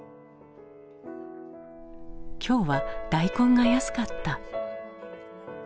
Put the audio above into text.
「今日は大根が安かった」。